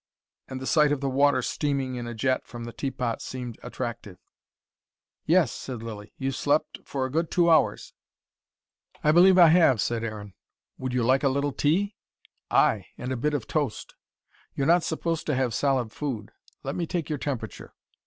And the sight of the water steaming in a jet from the teapot seemed attractive. "Yes," said Lilly. "You've slept for a good two hours." "I believe I have," said Aaron. "Would you like a little tea?" "Ay and a bit of toast." "You're not supposed to have solid food. Let me take your temperature."